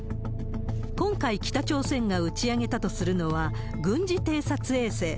今回、北朝鮮が打ち上げたとするのは軍事偵察衛星。